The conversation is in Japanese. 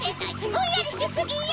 ぼんやりしすぎよ！